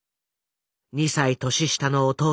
２歳年下の弟